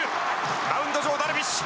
マウンド上ダルビッシュ。